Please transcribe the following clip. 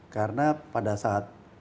karena pada saat